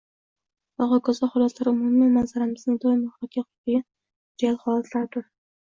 va hokazo holatlar umumiy manzaramizni doim xira qilib kelgan real holatlardir – xayoliy emas.